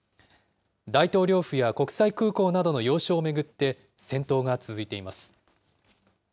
大統領府や国際空港などの要所を巡って戦闘が続いています。